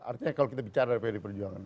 artinya kalau kita bicara pd perjuangan